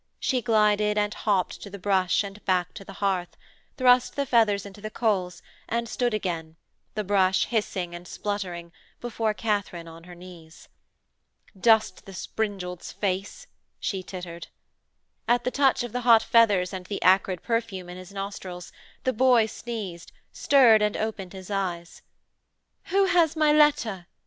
She glided and hopped to the brush and back to the hearth: thrust the feathers into the coals and stood again, the brush hissing and spluttering, before Katharine on her knees. 'Dust the springald's face,' she tittered. At the touch of the hot feathers and the acrid perfume in his nostrils, the boy sneezed, stirred and opened his eyes. 'Who has my letter?'